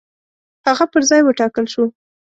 هغه پر ځای وټاکل شو.